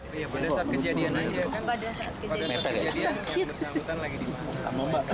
pada saat kejadian pemeriksaan lutan lagi dimakai